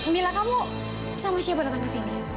mila kamu sama siapa datang ke sini